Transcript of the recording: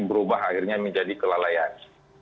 berubah akhirnya menjadi kelalaian